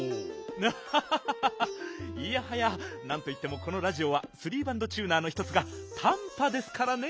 アハハいやはやなんといってもこのラジオはスリーバンドチューナーの１つがたんぱですからね。